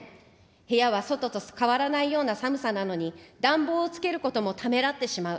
部屋は外と変わらないような寒さなのに、暖房をつけることもためらってしまう。